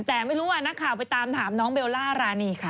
แต่ไม่รู้ว่านักข่าวไปตามถามน้องเบลล่ารานีค่ะ